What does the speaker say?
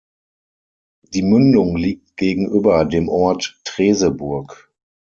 Die Mündung liegt gegenüber dem Ort Treseburg.